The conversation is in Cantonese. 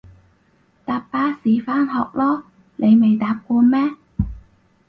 搭巴士返學囉，你未搭過咩？